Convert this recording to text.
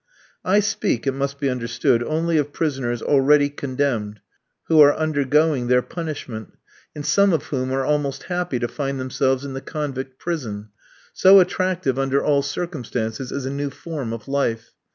I speak, it must be understood, only of prisoners already condemned, who are undergoing their punishment, and some of whom are almost happy to find themselves in the convict prison; so attractive under all circumstances is a new form of life.